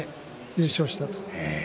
優勝したと。